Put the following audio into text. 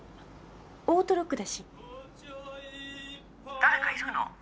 「誰かいるの？」